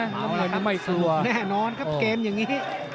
แน่นอนที่เขารู้แทนเกมอย่างนี้